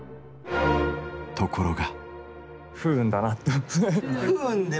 ところが。